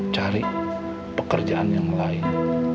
cari pekerjaan yang lain